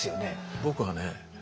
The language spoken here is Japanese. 僕はね